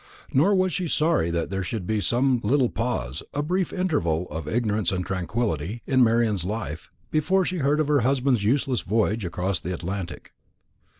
Nor was she sorry that there should be some little pause a brief interval of ignorance and tranquillity in Marian's life before she heard of her husband's useless voyage across the Atlantic.